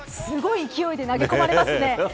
すごい勢いで投げ込まれてますね。。